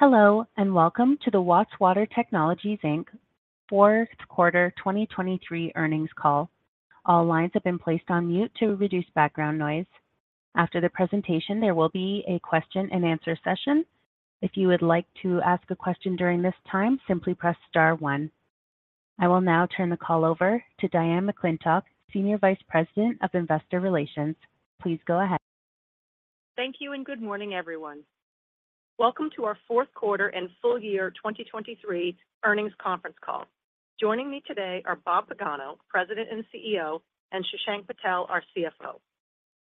Hello and welcome to the Watts Water Technologies, Inc., Fourth Quarter 2023 Earnings Call. All lines have been placed on mute to reduce background noise. After the presentation, there will be a question-and-answer session. If you would like to ask a question during this time, simply press star one. I will now turn the call over to Diane McClintock, Senior Vice President of Investor Relations. Please go ahead. Thank you and good morning, everyone. Welcome to our fourth quarter and full-year 2023 earnings conference call. Joining me today are Bob Pagano, President and CEO, and Shashank Patel, our CFO.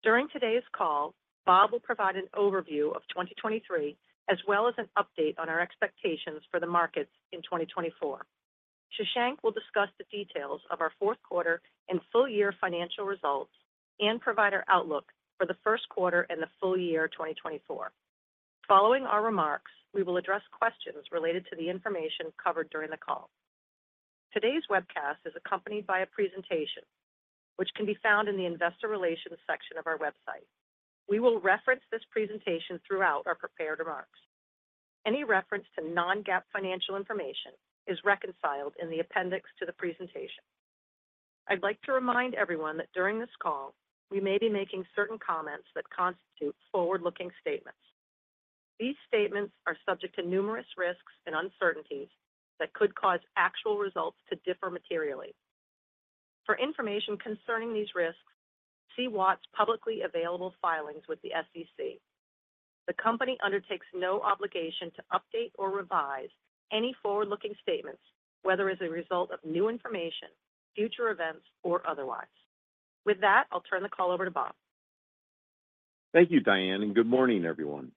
During today's call, Bob will provide an overview of 2023 as well as an update on our expectations for the markets in 2024. Shashank will discuss the details of our fourth quarter and full-year financial results and provide our outlook for the first quarter and the full year 2024. Following our remarks, we will address questions related to the information covered during the call. Today's webcast is accompanied by a presentation, which can be found in the Investor Relations section of our website. We will reference this presentation throughout our prepared remarks. Any reference to non-GAAP financial information is reconciled in the appendix to the presentation. I'd like to remind everyone that during this call, we may be making certain comments that constitute forward-looking statements. These statements are subject to numerous risks and uncertainties that could cause actual results to differ materially. For information concerning these risks, see Watts' publicly available filings with the SEC. The company undertakes no obligation to update or revise any forward-looking statements, whether as a result of new information, future events, or otherwise. With that, I'll turn the call over to Bob. Thank you, Diane, and good morning, everyone.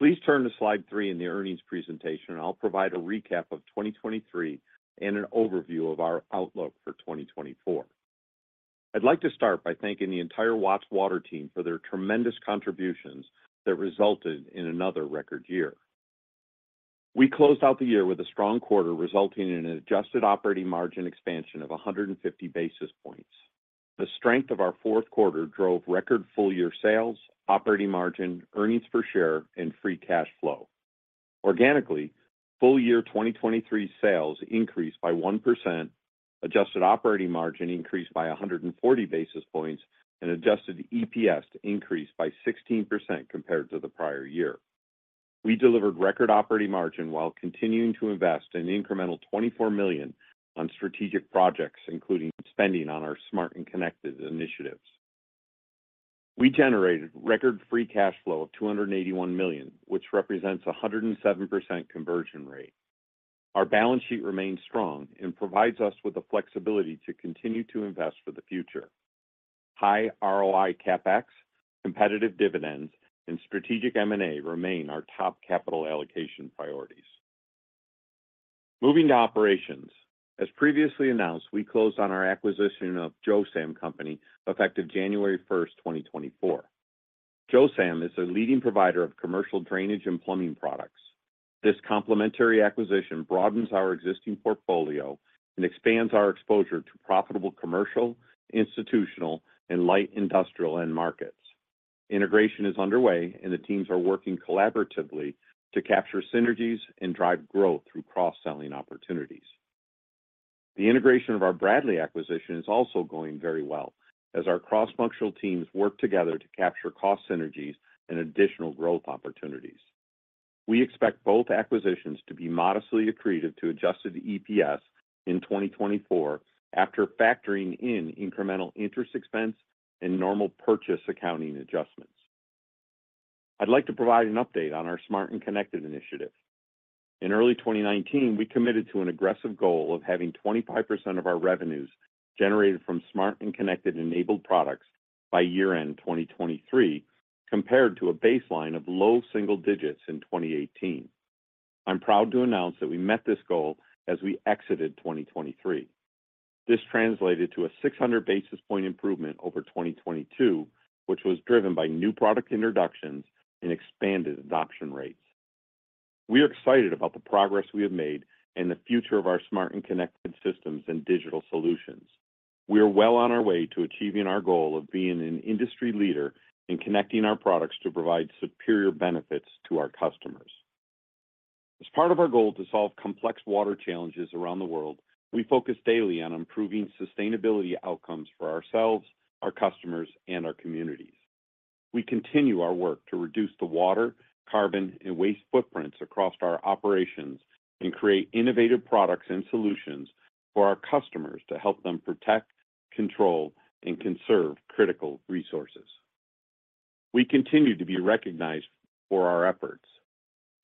Please turn to slide three in the earnings presentation, and I'll provide a recap of 2023 and an overview of our outlook for 2024. I'd like to start by thanking the entire Watts Water team for their tremendous contributions that resulted in another record year. We closed out the year with a strong quarter resulting in an adjusted operating margin expansion of 150 basis points. The strength of our fourth quarter drove record full-year sales, operating margin, earnings per share, and free cash flow. Organically, full-year 2023 sales increased by 1%, adjusted operating margin increased by 140 basis points, and adjusted EPS increased by 16% compared to the prior year. We delivered record operating margin while continuing to invest an incremental $24 million on strategic projects, including spending on our Smart & Connected initiatives. We generated record free cash flow of $281 million, which represents a 107% conversion rate. Our balance sheet remains strong and provides us with the flexibility to continue to invest for the future. High ROI CapEx, competitive dividends, and strategic M&A remain our top capital allocation priorities. Moving to operations, as previously announced, we closed on our acquisition of Josam Company effective January 1st, 2024. Josam is a leading provider of commercial drainage and plumbing products. This complementary acquisition broadens our existing portfolio and expands our exposure to profitable commercial, institutional, and light industrial end markets. Integration is underway, and the teams are working collaboratively to capture synergies and drive growth through cross-selling opportunities. The integration of our Bradley acquisition is also going very well, as our cross-functional teams work together to capture cost synergies and additional growth opportunities. We expect both acquisitions to be modestly accretive to adjusted EPS in 2024 after factoring in incremental interest expense and normal purchase accounting adjustments. I'd like to provide an update on our Smart & Connected initiative. In early 2019, we committed to an aggressive goal of having 25% of our revenues generated from Smart & Connected-enabled products by year-end 2023 compared to a baseline of low single digits in 2018. I'm proud to announce that we met this goal as we exited 2023. This translated to a 600 basis points improvement over 2022, which was driven by new product introductions and expanded adoption rates. We are excited about the progress we have made and the future of our Smart & Connected systems and digital solutions. We are well on our way to achieving our goal of being an industry leader in connecting our products to provide superior benefits to our customers. As part of our goal to solve complex water challenges around the world, we focus daily on improving sustainability outcomes for ourselves, our customers, and our communities. We continue our work to reduce the water, carbon, and waste footprints across our operations and create innovative products and solutions for our customers to help them protect, control, and conserve critical resources. We continue to be recognized for our efforts.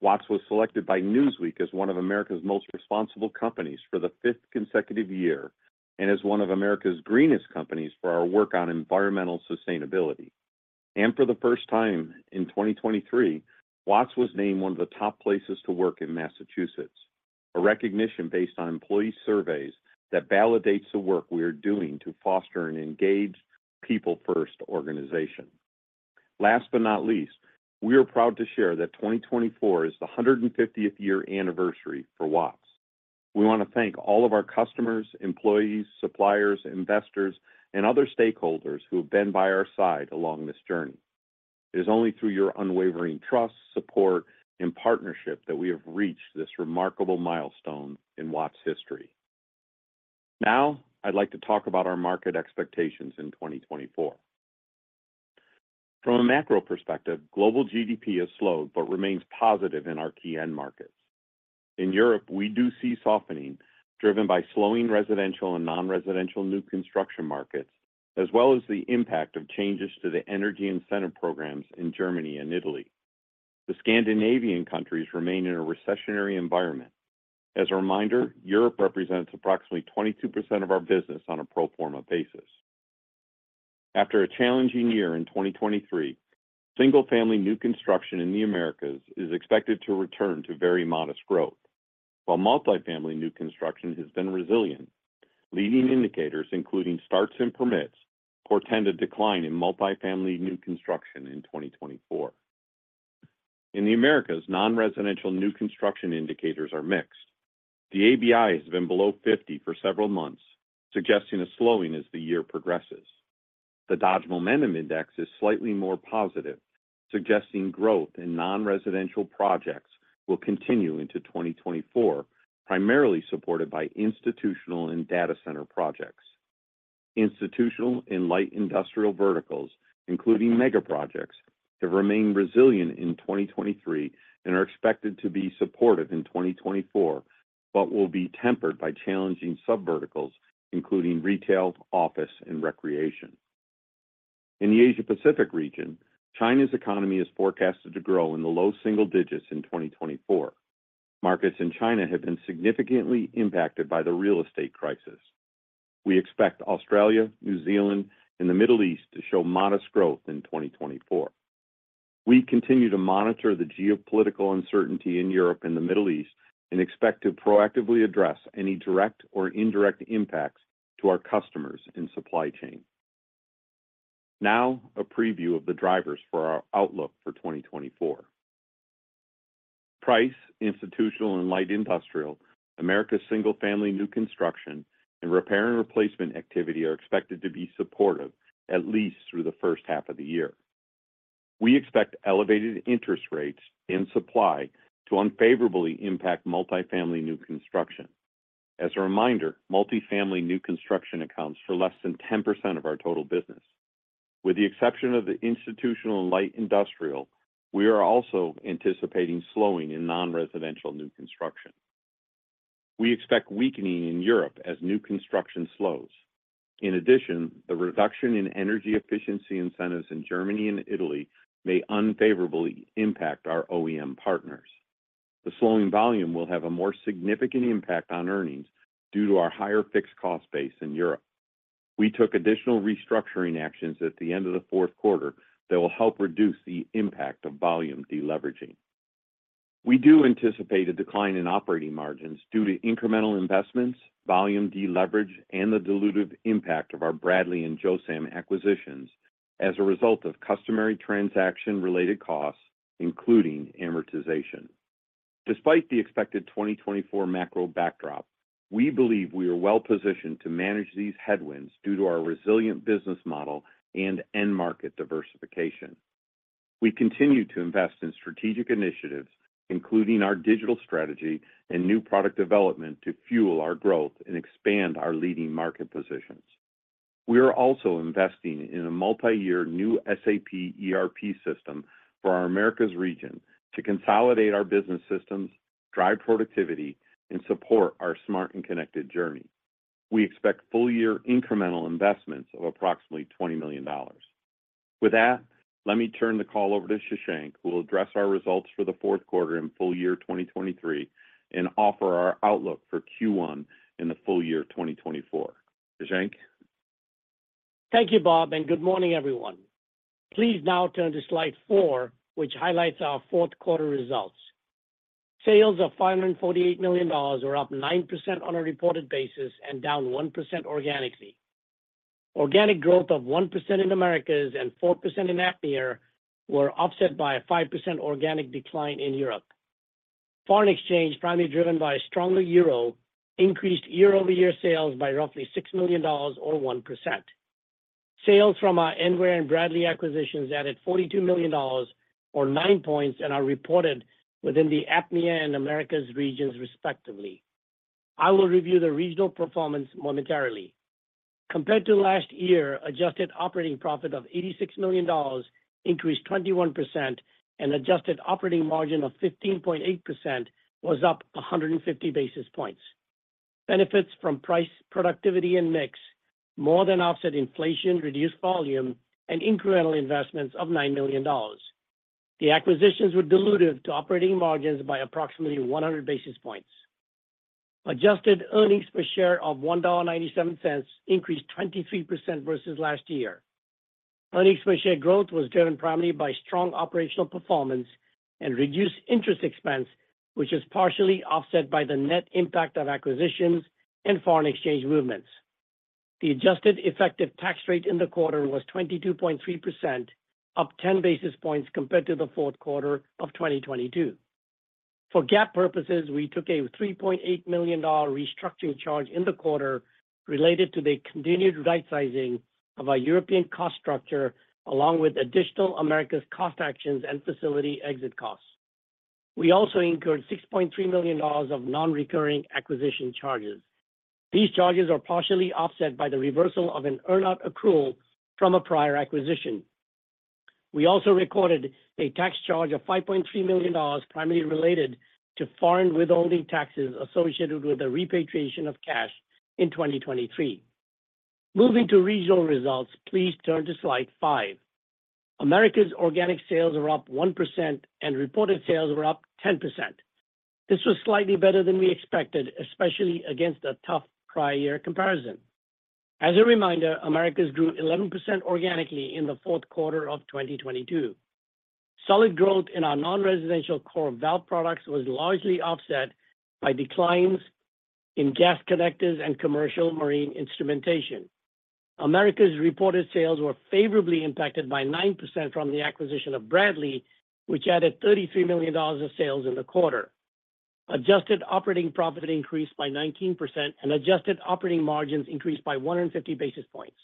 Watts was selected by Newsweek as one of Americas most responsible companies for the fifth consecutive year and as one of Americas greenest companies for our work on environmental sustainability. For the first time in 2023, Watts was named one of the top places to work in Massachusetts, a recognition based on employee surveys that validates the work we are doing to foster an engaged, people-first organization. Last but not least, we are proud to share that 2024 is the 150th year anniversary for Watts. We want to thank all of our customers, employees, suppliers, investors, and other stakeholders who have been by our side along this journey. It is only through your unwavering trust, support, and partnership that we have reached this remarkable milestone in Watts' history. Now, I'd like to talk about our market expectations in 2024. From a macro perspective, global GDP has slowed but remains positive in our key end markets. In Europe, we do see softening driven by slowing residential and non-residential new construction markets, as well as the impact of changes to the energy incentive programs in Germany and Italy. The Scandinavian countries remain in a recessionary environment. As a reminder, Europe represents approximately 22% of our business on a pro forma basis. After a challenging year in 2023, single-family new construction in the Americas is expected to return to very modest growth. While multifamily new construction has been resilient, leading indicators including starts and permits portend a decline in multifamily new construction in 2024. In the Americas, non-residential new construction indicators are mixed. The ABI has been below 50 for several months, suggesting a slowing as the year progresses. The Dodge Momentum Index is slightly more positive, suggesting growth in non-residential projects will continue into 2024, primarily supported by institutional and data center projects. Institutional and light industrial verticals, including megaprojects, have remained resilient in 2023 and are expected to be supportive in 2024 but will be tempered by challenging subverticals, including retail, office, and recreation. In the Asia-Pacific region, China's economy is forecasted to grow in the low single digits in 2024. Markets in China have been significantly impacted by the real estate crisis. We expect Australia, New Zealand, and the Middle East to show modest growth in 2024. We continue to monitor the geopolitical uncertainty in Europe and the Middle East and expect to proactively address any direct or indirect impacts to our customers and supply chain. Now, a preview of the drivers for our outlook for 2024. Price, institutional, and light industrial, America's single-family new construction, and repair and replacement activity are expected to be supportive, at least through the first half of the year. We expect elevated interest rates and supply to unfavorably impact multifamily new construction. As a reminder, multifamily new construction accounts for less than 10% of our total business. With the exception of the institutional and light industrial, we are also anticipating slowing in non-residential new construction. We expect weakening in Europe as new construction slows. In addition, the reduction in energy efficiency incentives in Germany and Italy may unfavorably impact our OEM partners. The slowing volume will have a more significant impact on earnings due to our higher fixed cost base in Europe. We took additional restructuring actions at the end of the fourth quarter that will help reduce the impact of volume deleveraging. We do anticipate a decline in operating margins due to incremental investments, volume deleverage, and the dilutive impact of our Bradley and Josam acquisitions as a result of customary transaction-related costs, including amortization. Despite the expected 2024 macro backdrop, we believe we are well-positioned to manage these headwinds due to our resilient business model and end-market diversification. We continue to invest in strategic initiatives, including our digital strategy and new product development, to fuel our growth and expand our leading market positions. We are also investing in a multi-year new SAP ERP system for our Americas region to consolidate our business systems, drive productivity, and support our Smart & Connected journey. We expect full-year incremental investments of approximately $20 million. With that, let me turn the call over to Shashank, who will address our results for the fourth quarter and full year 2023 and offer our outlook for Q1 and the full year 2024. Shashank? Thank you, Bob, and good morning, everyone. Please now turn to slide four, which highlights our fourth quarter results. Sales of $548 million were up 9% on a reported basis and down 1% organically. Organic growth of 1% in Americas and 4% in APMEA were offset by a 5% organic decline in Europe. Foreign exchange, primarily driven by a stronger euro, increased year-over-year sales by roughly $6 million or 1%. Sales from our Enware and Bradley acquisitions added $42 million or 9 points and are reported within the APMEA and Americas regions, respectively. I will review the regional performance momentarily. Compared to last year, adjusted operating profit of $86 million increased 21%, and adjusted operating margin of 15.8% was up 150 basis points. Benefits from price, productivity, and mix more than offset inflation, reduced volume, and incremental investments of $9 million. The acquisitions were dilutive to operating margins by approximately 100 basis points. Adjusted earnings per share of $1.97 increased 23% versus last year. Earnings per share growth was driven primarily by strong operational performance and reduced interest expense, which is partially offset by the net impact of acquisitions and foreign exchange movements. The adjusted effective tax rate in the quarter was 22.3%, up 10 basis points compared to the fourth quarter of 2022. For GAAP purposes, we took a $3.8 million restructuring charge in the quarter related to the continued right-sizing of our European cost structure, along with additional Americas cost actions and facility exit costs. We also incurred $6.3 million of non-recurring acquisition charges. These charges are partially offset by the reversal of an earnout accrual from a prior acquisition. We also recorded a tax charge of $5.3 million, primarily related to foreign withholding taxes associated with the repatriation of cash in 2023. Moving to regional results, please turn to slide five. Americas' organic sales were up 1%, and reported sales were up 10%. This was slightly better than we expected, especially against a tough prior year comparison. As a reminder, Americas' grew 11% organically in the fourth quarter of 2022. Solid growth in our non-residential core valve products was largely offset by declines in gas connectors and commercial marine instrumentation. Americas' reported sales were favorably impacted by 9% from the acquisition of Bradley, which added $33 million of sales in the quarter. Adjusted operating profit increased by 19%, and adjusted operating margins increased by 150 basis points.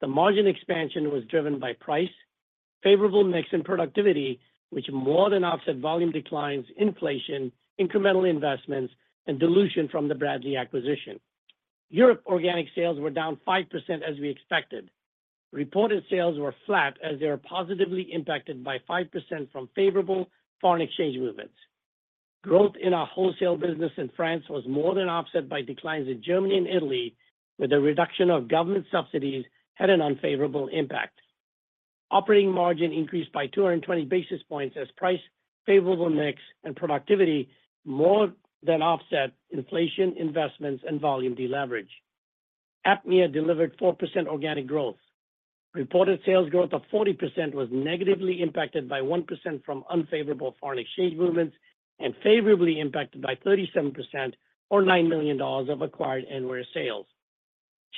The margin expansion was driven by price, favorable mix and productivity, which more than offset volume declines, inflation, incremental investments, and dilution from the Bradley acquisition. Europe organic sales were down 5% as we expected. Reported sales were flat, as they are positively impacted by 5% from favorable foreign exchange movements. Growth in our wholesale business in France was more than offset by declines in Germany and Italy, where the reduction of government subsidies had an unfavorable impact. Operating margin increased by 220 basis points as price, favorable mix, and productivity more than offset inflation, investments, and volume deleverage. APMEA delivered 4% organic growth. Reported sales growth of 40% was negatively impacted by 1% from unfavorable foreign exchange movements and favorably impacted by 37% or $9 million of acquired Enware sales.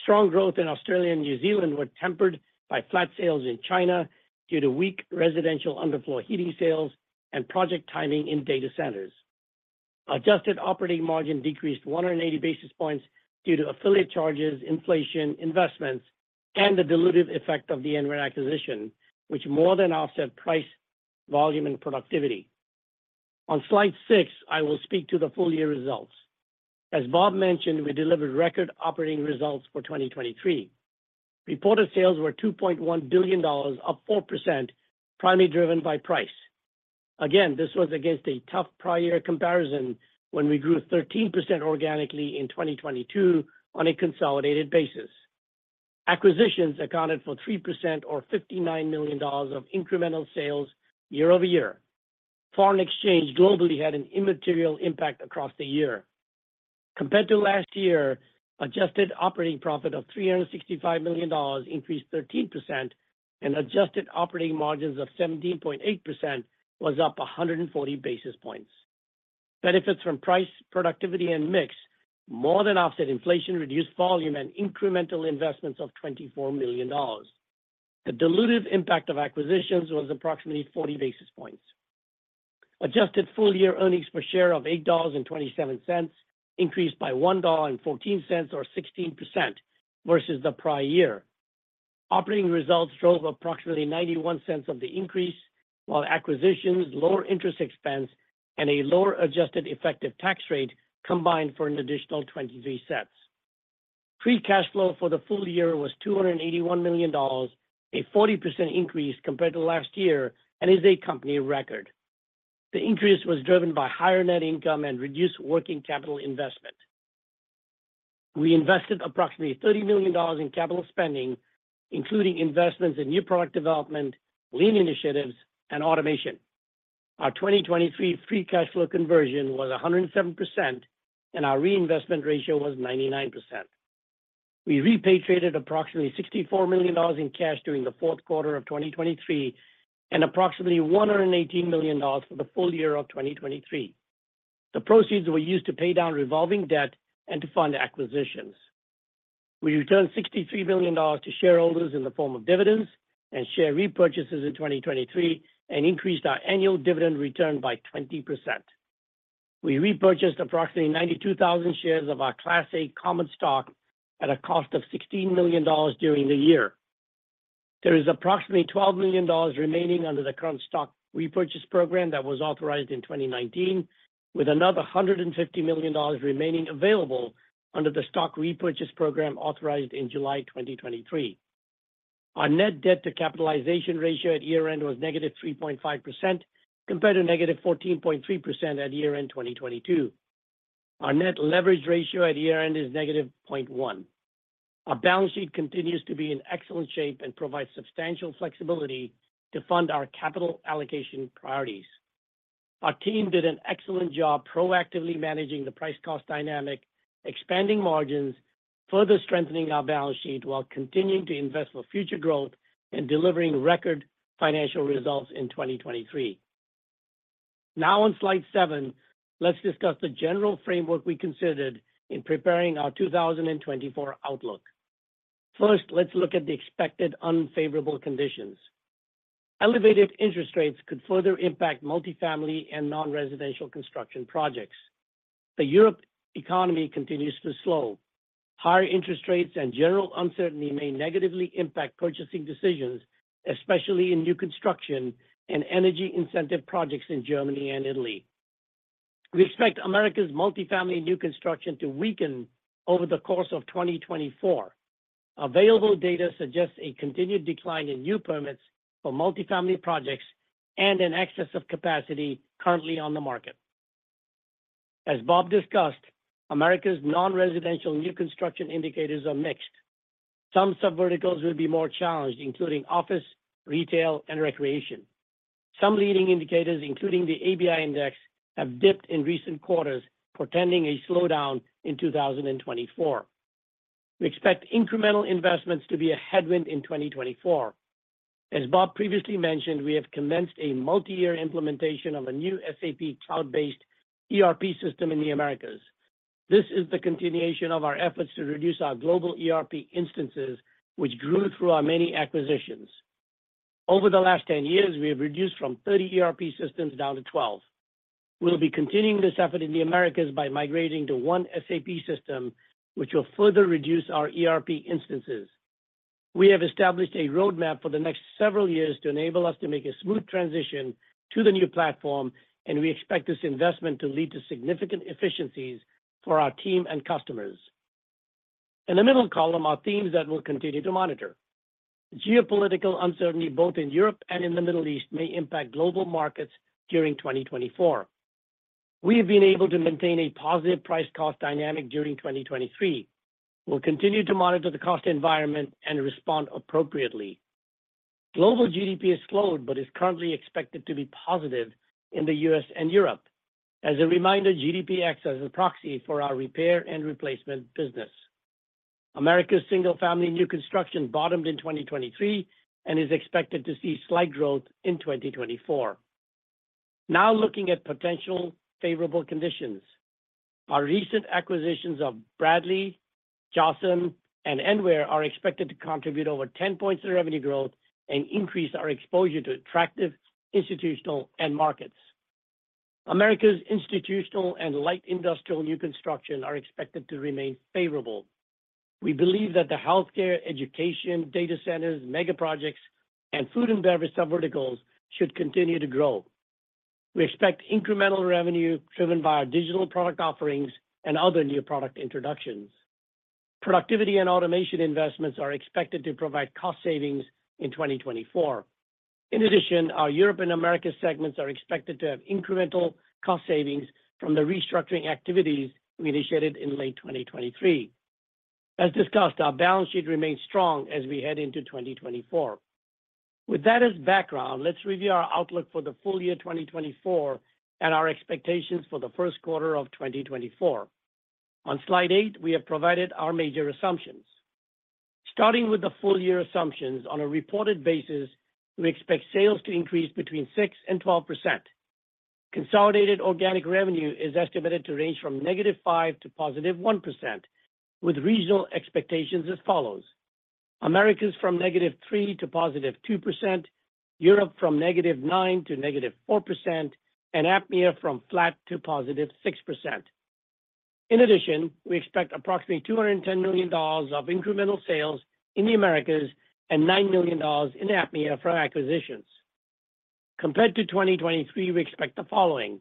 Strong growth in Australia and New Zealand were tempered by flat sales in China due to weak residential underfloor heating sales and project timing in data centers. Adjusted operating margin decreased 180 basis points due to affiliate charges, inflation, investments, and the dilutive effect of the Enware acquisition, which more than offset price, volume, and productivity. On slide 6, I will speak to the full year results. As Bob mentioned, we delivered record operating results for 2023. Reported sales were $2.1 billion, up 4%, primarily driven by price. Again, this was against a tough prior year comparison when we grew 13% organically in 2022 on a consolidated basis. Acquisitions accounted for 3% or $59 million of incremental sales year-over-year. Foreign exchange globally had an immaterial impact across the year. Compared to last year, adjusted operating profit of $365 million increased 13%, and adjusted operating margins of 17.8% was up 140 basis points. Benefits from price, productivity, and mix more than offset inflation, reduced volume, and incremental investments of $24 million. The dilutive impact of acquisitions was approximately 40 basis points. Adjusted full year earnings per share of $8.27 increased by $1.14 or 16% versus the prior year. Operating results drove approximately $0.91 of the increase, while acquisitions, lower interest expense, and a lower adjusted effective tax rate combined for an additional $0.23. Free cash flow for the full year was $281 million, a 40% increase compared to last year and is a company record. The increase was driven by higher net income and reduced working capital investment. We invested approximately $30 million in capital spending, including investments in new product development, lean initiatives, and automation. Our 2023 free cash flow conversion was 107%, and our reinvestment ratio was 99%. We repatriated approximately $64 million in cash during the fourth quarter of 2023 and approximately $118 million for the full year of 2023. The proceeds were used to pay down revolving debt and to fund acquisitions. We returned $63 million to shareholders in the form of dividends and share repurchases in 2023 and increased our annual dividend return by 20%. We repurchased approximately 92,000 shares of our Class A common stock at a cost of $16 million during the year. There is approximately $12 million remaining under the current stock repurchase program that was authorized in 2019, with another $150 million remaining available under the stock repurchase program authorized in July 2023. Our net debt to capitalization ratio at year-end was -3.5% compared to -14.3% at year-end 2022. Our net leverage ratio at year-end is negative 0.1. Our balance sheet continues to be in excellent shape and provides substantial flexibility to fund our capital allocation priorities. Our team did an excellent job proactively managing the price-cost dynamic, expanding margins, further strengthening our balance sheet while continuing to invest for future growth and delivering record financial results in 2023. Now, on slide seven, let's discuss the general framework we considered in preparing our 2024 outlook. First, let's look at the expected unfavorable conditions. Elevated interest rates could further impact multifamily and non-residential construction projects. The European economy continues to slow. Higher interest rates and general uncertainty may negatively impact purchasing decisions, especially in new construction and energy incentive projects in Germany and Italy. We expect America's multifamily new construction to weaken over the course of 2024. Available data suggests a continued decline in new permits for multifamily projects and an excess of capacity currently on the market. As Bob discussed, America's non-residential new construction indicators are mixed. Some subverticals will be more challenged, including office, retail, and recreation. Some leading indicators, including the ABI index, have dipped in recent quarters, portending a slowdown in 2024. We expect incremental investments to be a headwind in 2024. As Bob previously mentioned, we have commenced a multi-year implementation of a new SAP cloud-based ERP system in the Americas. This is the continuation of our efforts to reduce our global ERP instances, which grew through our many acquisitions. Over the last 10 years, we have reduced from 30 ERP systems down to 12. We'll be continuing this effort in the Americas by migrating to one SAP system, which will further reduce our ERP instances. We have established a roadmap for the next several years to enable us to make a smooth transition to the new platform, and we expect this investment to lead to significant efficiencies for our team and customers. In the middle column, our themes that we'll continue to monitor. Geopolitical uncertainty both in Europe and in the Middle East may impact global markets during 2024. We have been able to maintain a positive price-cost dynamic during 2023. We'll continue to monitor the cost environment and respond appropriately. Global GDP has slowed but is currently expected to be positive in the U.S. and Europe. As a reminder, GDP acts as a proxy for our repair and replacement business. America's single-family new construction bottomed in 2023 and is expected to see slight growth in 2024. Now, looking at potential favorable conditions. Our recent acquisitions of Bradley, Josam, and Enware are expected to contribute over 10 points to revenue growth and increase our exposure to attractive institutional and markets. Americas' institutional and light industrial new construction are expected to remain favorable. We believe that the healthcare, education, data centers, megaprojects, and food and beverage subverticals should continue to grow. We expect incremental revenue driven by our digital product offerings and other new product introductions. Productivity and automation investments are expected to provide cost savings in 2024. In addition, our Europe and Americas segments are expected to have incremental cost savings from the restructuring activities we initiated in late 2023. As discussed, our balance sheet remains strong as we head into 2024. With that as background, let's review our outlook for the full year 2024 and our expectations for the first quarter of 2024. On slide eight, we have provided our major assumptions. Starting with the full year assumptions, on a reported basis, we expect sales to increase between 6%-12%. Consolidated organic revenue is estimated to range from -5% to +1%, with regional expectations as follows: Americas from -3% to +2%, Europe from -9% to -4%, and APMEA from flat to +6%. In addition, we expect approximately $210 million of incremental sales in the Americas and $9 million in APMEA from acquisitions. Compared to 2023, we expect the following: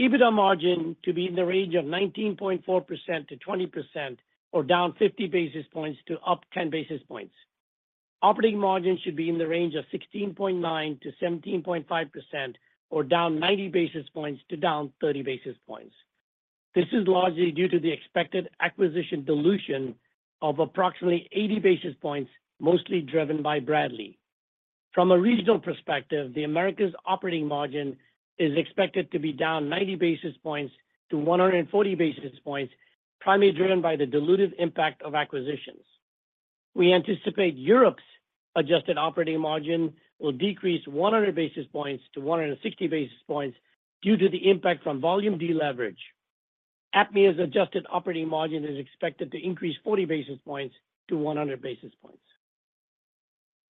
EBITDA margin to be in the range of 19.4%-20% or down 50 basis points to up 10 basis points. Operating margin should be in the range of 16.9%-17.5% or down 90 basis points to down 30 basis points. This is largely due to the expected acquisition dilution of approximately 80 basis points, mostly driven by Bradley. From a regional perspective, the Americas' operating margin is expected to be down 90 basis points to 140 basis points, primarily driven by the dilutive impact of acquisitions. We anticipate Europe's adjusted operating margin will decrease 100 basis points to 160 basis points due to the impact from volume deleverage. APMEA's adjusted operating margin is expected to increase 40 basis points to 100 basis points.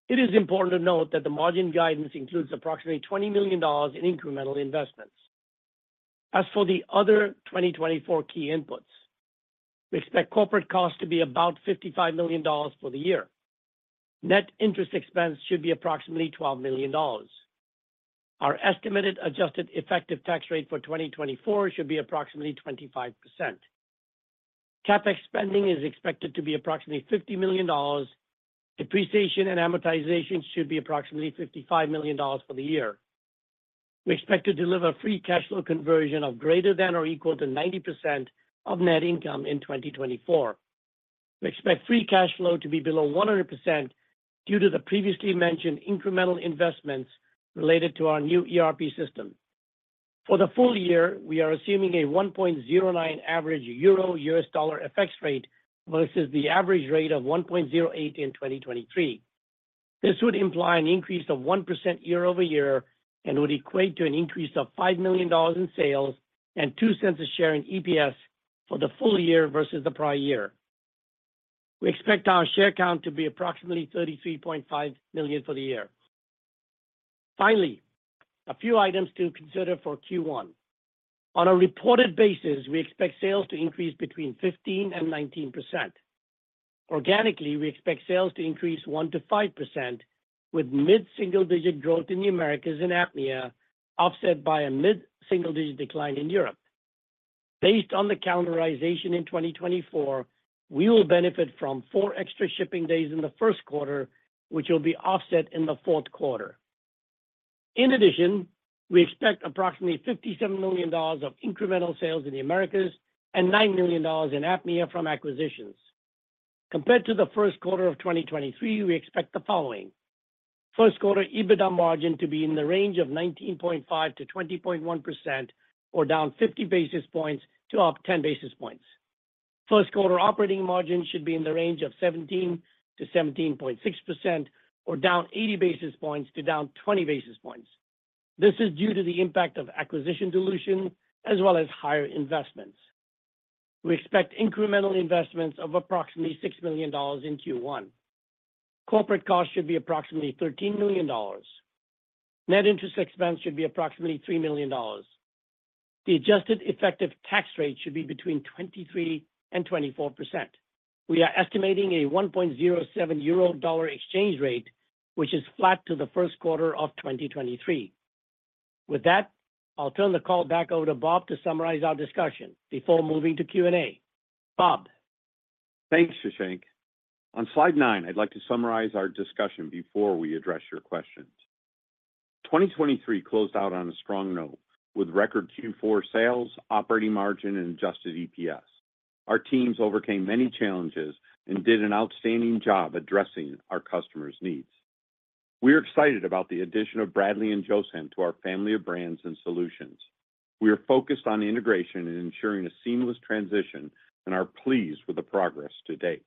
It is important to note that the margin guidance includes approximately $20 million in incremental investments. As for the other 2024 key inputs, we expect corporate costs to be about $55 million for the year. Net interest expense should be approximately $12 million. Our estimated adjusted effective tax rate for 2024 should be approximately 25%. CapEx spending is expected to be approximately $50 million. Depreciation and amortization should be approximately $55 million for the year. We expect to deliver free cash flow conversion of greater than or equal to 90% of net income in 2024. We expect free cash flow to be below 100% due to the previously mentioned incremental investments related to our new ERP system. For the full year, we are assuming a 1.09 average EUR/USD exchange rate versus the average rate of 1.08 in 2023. This would imply an increase of 1% year-over-year and would equate to an increase of $5 million in sales and $0.02 per share in EPS for the full year versus the prior year. We expect our share count to be approximately 33.5 million for the year. Finally, a few items to consider for Q1. On a reported basis, we expect sales to increase between 15%-19%. Organically, we expect sales to increase 1%-5% with mid-single digit growth in the Americas and APMEA, offset by a mid-single digit decline in Europe. Based on the calendarization in 2024, we will benefit from four extra shipping days in the first quarter, which will be offset in the fourth quarter. In addition, we expect approximately $57 million of incremental sales in the Americas and $9 million in APMEA from acquisitions. Compared to the first quarter of 2023, we expect the following: First quarter EBITDA margin to be in the range of 19.5%-20.1% or down 50 basis points to up 10 basis points. First quarter operating margin should be in the range of 17%-17.6% or down 80 basis points to down 20 basis points. This is due to the impact of acquisition dilution as well as higher investments. We expect incremental investments of approximately $6 million in Q1. Corporate costs should be approximately $13 million. Net interest expense should be approximately $3 million. The adjusted effective tax rate should be 23%-24%. We are estimating a 1.07 EUR/USD exchange rate, which is flat to the first quarter of 2023. With that, I'll turn the call back over to Bob to summarize our discussion before moving to Q&A. Bob. Thanks, Shashank. On slide 9, I'd like to summarize our discussion before we address your questions. 2023 closed out on a strong note with record Q4 sales, operating margin, and adjusted EPS. Our teams overcame many challenges and did an outstanding job addressing our customers' needs. We are excited about the addition of Bradley and Josam to our family of brands and solutions. We are focused on integration and ensuring a seamless transition and are pleased with the progress to date.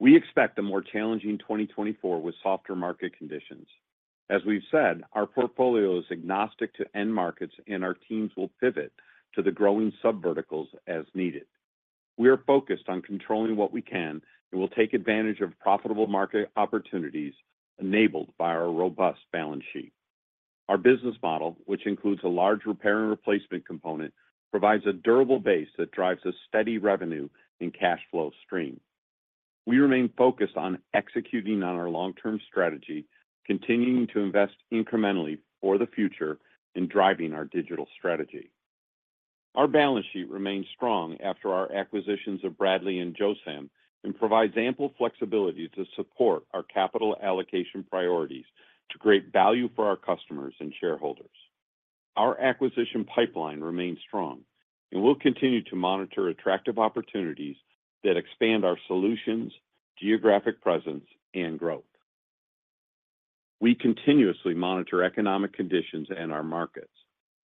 We expect a more challenging 2024 with softer market conditions. As we've said, our portfolio is agnostic to end markets, and our teams will pivot to the growing subverticals as needed. We are focused on controlling what we can and will take advantage of profitable market opportunities enabled by our robust balance sheet. Our business model, which includes a large repair and replacement component, provides a durable base that drives a steady revenue and cash flow stream. We remain focused on executing on our long-term strategy, continuing to invest incrementally for the future, and driving our digital strategy. Our balance sheet remains strong after our acquisitions of Bradley and Josam and provides ample flexibility to support our capital allocation priorities to create value for our customers and shareholders. Our acquisition pipeline remains strong, and we'll continue to monitor attractive opportunities that expand our solutions, geographic presence, and growth. We continuously monitor economic conditions and our markets.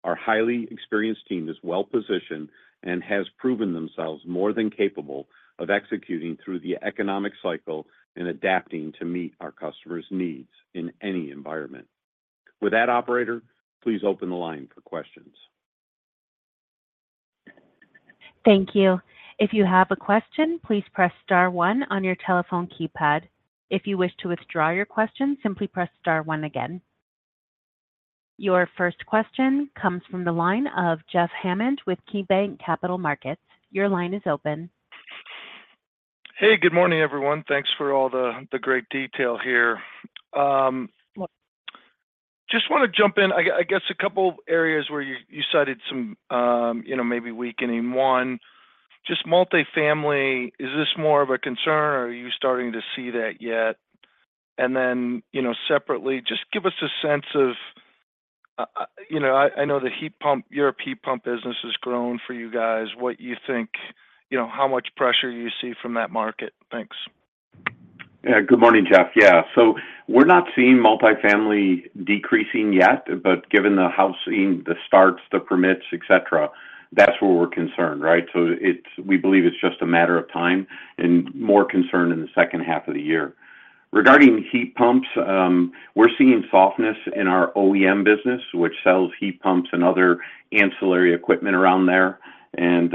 Our highly experienced team is well-positioned and has proven themselves more than capable of executing through the economic cycle and adapting to meet our customers' needs in any environment. With that, operator, please open the line for questions. Thank you. If you have a question, please press star one on your telephone keypad. If you wish to withdraw your question, simply press star one again. Your first question comes from the line of Jeff Hammond with Keybanc Capital Markets. Your line is open. Hey, good morning, everyone. Thanks for all the great detail here. Just want to jump in, I guess, a couple areas where you cited some maybe weakening. One, just multifamily, is this more of a concern, or are you starting to see that yet? And then separately, just give us a sense of. I know the Europe heat pump business has grown for you guys. What do you think? How much pressure do you see from that market? Thanks. Yeah, good morning, Jeff. Yeah. So we're not seeing multifamily decreasing yet, but given the housing, the starts, the permits, etc., that's where we're concerned, right? So we believe it's just a matter of time and more concern in the second half of the year. Regarding heat pumps, we're seeing softness in our OEM business, which sells heat pumps and other ancillary equipment around there. And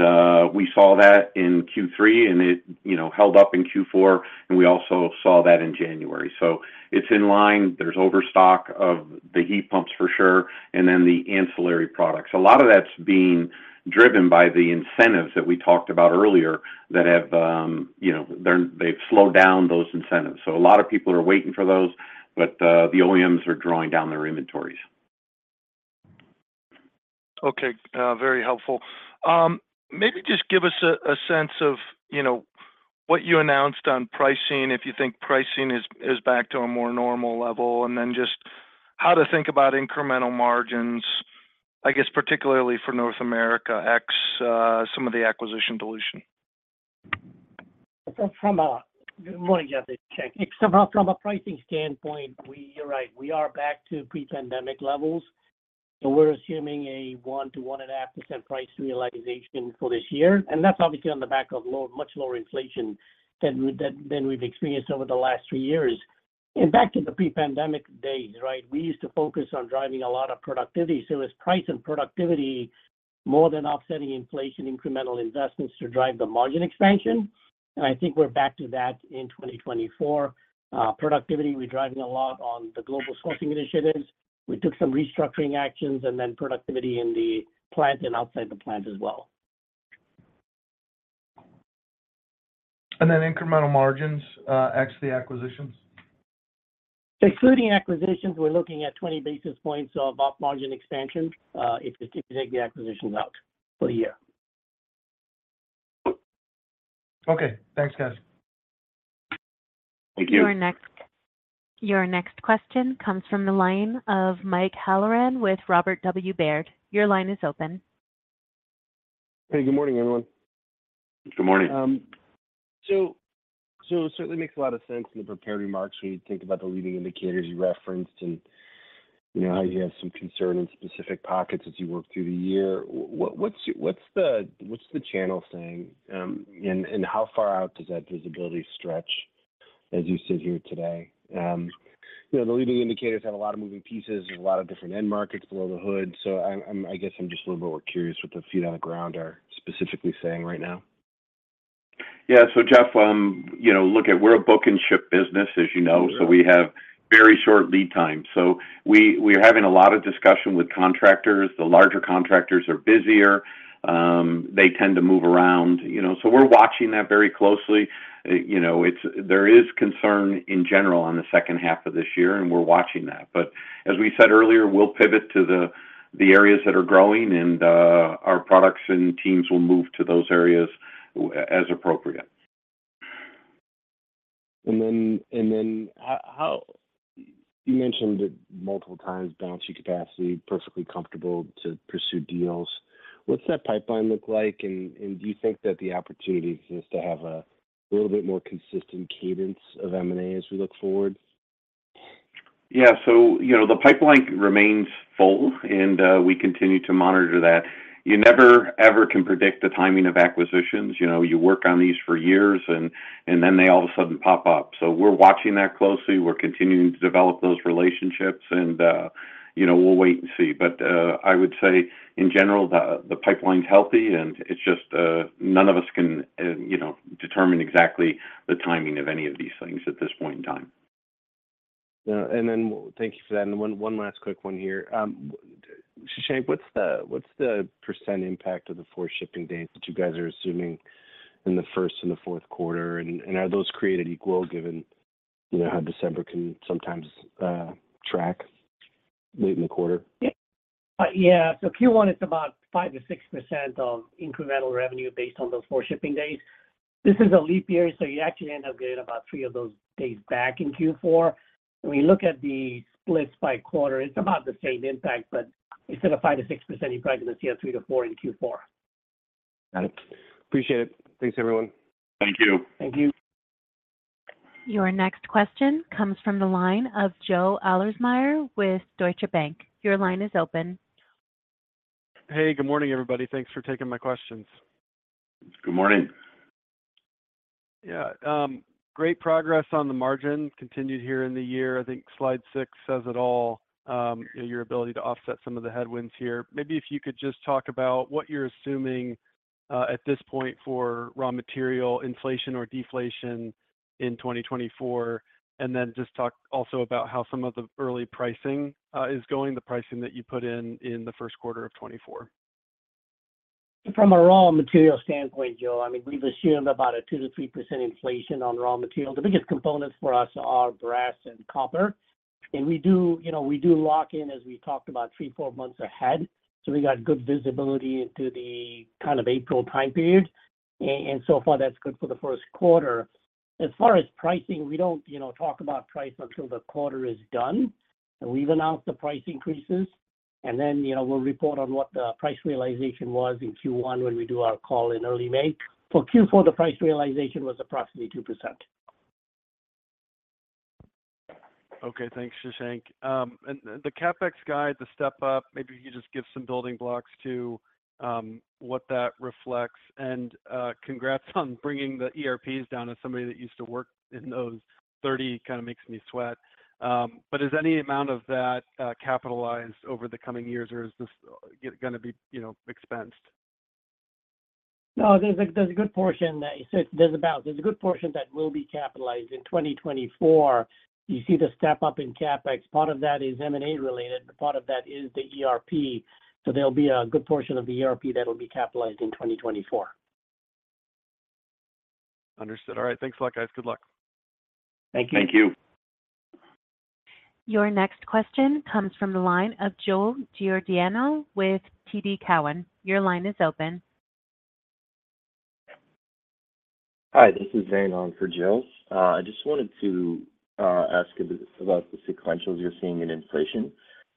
we saw that in Q3, and it held up in Q4, and we also saw that in January. So it's in line. There's overstock of the heat pumps for sure, and then the ancillary products. A lot of that's being driven by the incentives that we talked about earlier that have; they've slowed down those incentives. So a lot of people are waiting for those, but the OEMs are drawing down their inventories. Okay. Very helpful. Maybe just give us a sense of what you announced on pricing, if you think pricing is back to a more normal level, and then just how to think about incremental margins, I guess, particularly for North America ex some of the acquisition dilution. Good morning, Jeff. It's from a pricing standpoint, you're right. We are back to pre-pandemic levels. So we're assuming a 1%-1.5% price realization for this year. And that's obviously on the back of much lower inflation than we've experienced over the last three years. And back to the pre-pandemic days, right? We used to focus on driving a lot of productivity. So it was price and productivity more than offsetting inflation, incremental investments to drive the margin expansion. And I think we're back to that in 2024. Productivity, we're driving a lot on the global sourcing initiatives. We took some restructuring actions, and then productivity in the plant and outside the plant as well. And then incremental margins ex the acquisitions? Excluding acquisitions, we're looking at 20 basis points of op margin expansion if you take the acquisitions out for the year. Okay. Thanks, guys. Thank you. Your next question comes from the line of Mike Halloran with Robert W. Baird. Your line is open. Hey, good morning, everyone. Good morning. So it certainly makes a lot of sense in the prepared remarks when you think about the leading indicators you referenced and how you have some concern in specific pockets as you work through the year. What's the channel saying, and how far out does that visibility stretch as you sit here today? The leading indicators have a lot of moving pieces. There's a lot of different end markets below the hood. So I guess I'm just a little bit more curious what the feet on the ground are specifically saying right now. Yeah. So, Jeff, look, we're a book-and-ship business, as you know, so we have very short lead times. So we're having a lot of discussion with contractors. The larger contractors are busier. They tend to move around. So we're watching that very closely. There is concern in general on the second half of this year, and we're watching that. But as we said earlier, we'll pivot to the areas that are growing, and our products and teams will move to those areas as appropriate. And then you mentioned it multiple times, balance sheet capacity, perfectly comfortable to pursue deals. What's that pipeline look like, and do you think that the opportunity exists to have a little bit more consistent cadence of M&A as we look forward? Yeah. So the pipeline remains full, and we continue to monitor that. You never, ever can predict the timing of acquisitions. You work on these for years, and then they all of a sudden pop up. So we're watching that closely. We're continuing to develop those relationships, and we'll wait and see. But I would say, in general, the pipeline's healthy, and it's just none of us can determine exactly the timing of any of these things at this point in time. Yeah. And then thank you for that. And one last quick one here. Shashank, what's the percent impact of the four shipping days that you guys are assuming in the first and the fourth quarter? And are those created equal given how December can sometimes track late in the quarter? Yeah. So Q1, it's about 5%-6% of incremental revenue based on those four shipping days. This is a leap year, so you actually end up getting about three of those days back in Q4. When you look at the splits by quarter, it's about the same impact, but instead of 5%-6%, you're probably going to see a 3%-4% in Q4. Got it. Appreciate it. Thanks, everyone. Thank you. Thank you. Your next question comes from the line of Joe Ahlersmeyer with Deutsche Bank. Your line is open. Hey, good morning, everybody. Thanks for taking my questions. Good morning. Yeah. Great progress on the margin, continued here in the year. I think slide six says it all, your ability to offset some of the headwinds here. Maybe if you could just talk about what you're assuming at this point for raw material, inflation or deflation in 2024, and then just talk also about how some of the early pricing is going, the pricing that you put in in the first quarter of 2024. From a raw material standpoint, Joe, I mean, we've assumed about a 2%-3% inflation on raw materials. The biggest components for us are brass and copper. And we do lock in, as we talked about, three to four months ahead. So we got good visibility into the kind of April time period. And so far, that's good for the first quarter. As far as pricing, we don't talk about price until the quarter is done. We've announced the price increases, and then we'll report on what the price realization was in Q1 when we do our call in early May. For Q4, the price realization was approximately 2%. Okay. Thanks, Shashank. And the CapEx guide, the step-up, maybe if you could just give some building blocks to what that reflects. And congrats on bringing the ERPs down as somebody that used to work in those. 30 kind of makes me sweat. But is any amount of that capitalized over the coming years, or is this going to be expensed? No, there's a good portion that there's a balance. There's a good portion that will be capitalized in 2024. You see the step-up in CapEx. Part of that is M&A related, but part of that is the ERP. So there'll be a good portion of the ERP that'll be capitalized in 2024. Understood. All right. Thanks a lot, guys. Good luck. Thank you. Thank you. Your next question comes from the line of Joe Giordano with TD Cowen. Your line is open. Hi, this is Zane on for Joe. I just wanted to ask about the sequentials you're seeing in inflation.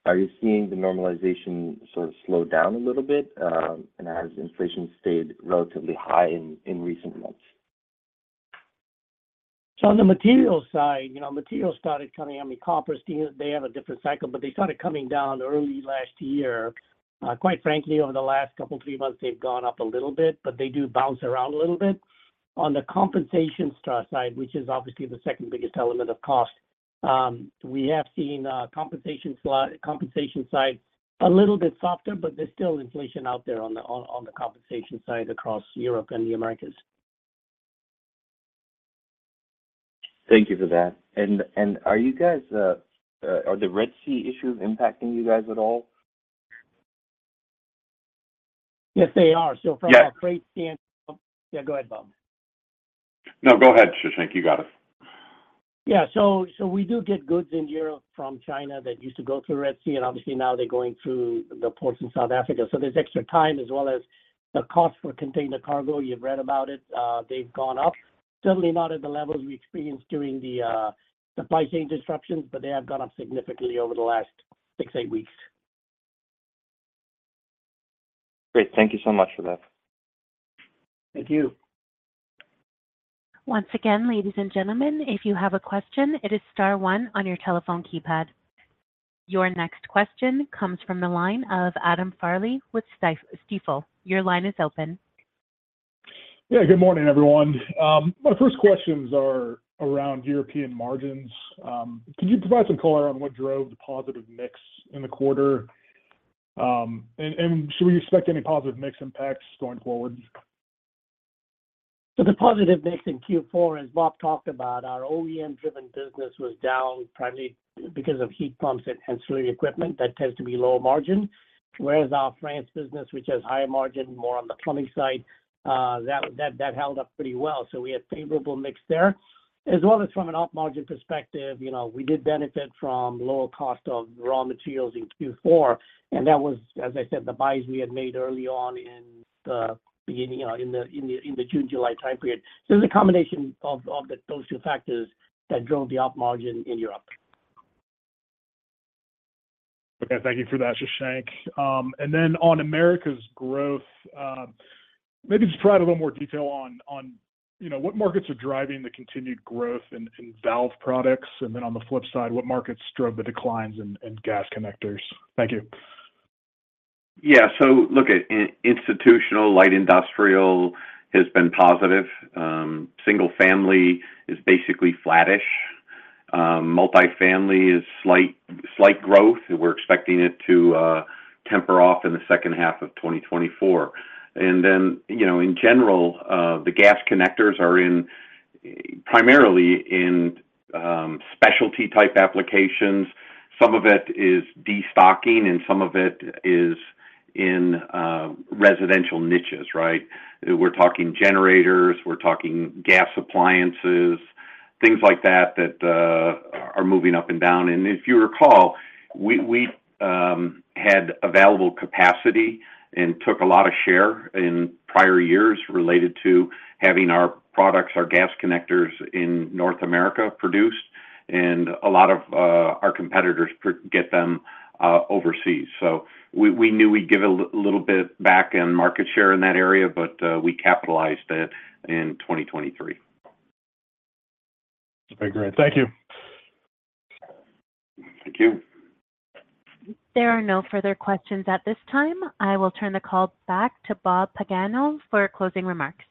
Are you seeing the normalization sort of slow down a little bit as inflation stayed relatively high in recent months? So on the materials side, materials started coming in. I mean, copper, they have a different cycle, but they started coming down early last year. Quite frankly, over the last couple, three months, they've gone up a little bit, but they do bounce around a little bit. On the compensation side, which is obviously the second biggest element of cost, we have seen compensation side a little bit softer, but there's still inflation out there on the compensation side across Europe and the Americas. Thank you for that. And are you guys are the Red Sea issues impacting you guys at all? Yes, they are. So from a trade standpoint yeah, go ahead, Bob. No, go ahead, Shashank. You got us. Yeah. So we do get goods in Europe from China that used to go through Red Sea, and obviously, now they're going through the ports in South Africa. So there's extra time as well as the cost for container cargo. You've read about it. They've gone up. Certainly not at the levels we experienced during the price change disruptions, but they have gone up significantly over the last six, eight weeks. Great. Thank you so much for that. Thank you. Once again, ladies and gentlemen, if you have a question, it is star one on your telephone keypad. Your next question comes from the line of Adam Farley with Stifel. Your line is open. Yeah. Good morning, everyone. My first questions are around European margins. Could you provide some color on what drove the positive mix in the quarter? And should we expect any positive mix impacts going forward? So the positive mix in Q4, as Bob talked about, our OEM-driven business was down primarily because of heat pumps and ancillary equipment. That tends to be low margin. Whereas our France business, which has higher margin, more on the plumbing side, that held up pretty well. So we had a favorable mix there. As well as from an op margin perspective, we did benefit from lower cost of raw materials in Q4, and that was, as I said, the buys we had made early on in the beginning in the June, July time period. So it's a combination of those two factors that drove the op margin in Europe. Okay. Thank you for that, Shashank. And then on Americas' growth, maybe just provide a little more detail on what markets are driving the continued growth in valve products, and then on the flip side, what markets drove the declines in gas connectors? Thank you. Yeah. So look at institutional, light industrial has been positive. Single-family is basically flattish. Multifamily is slight growth, and we're expecting it to temper off in the second half of 2024. And then, in general, the gas connectors are primarily in specialty-type applications. Some of it is destocking, and some of it is in residential niches, right? We're talking generators. We're talking gas appliances, things like that that are moving up and down. And if you recall, we had available capacity and took a lot of share in prior years related to having our products, our gas connectors in North America produced, and a lot of our competitors get them overseas. So we knew we'd give a little bit back in market share in that area, but we capitalized it in 2023. Okay. Great. Thank you. Thank you. There are no further questions at this time. I will turn the call back to Bob Pagano for closing remarks.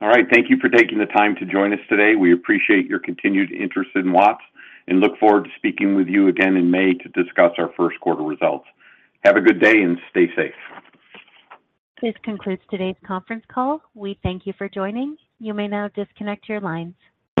All right. Thank you for taking the time to join us today. We appreciate your continued interest in Watts and look forward to speaking with you again in May to discuss our first quarter results. Have a good day and stay safe. This concludes today's conference call. We thank you for joining. You may now disconnect your lines.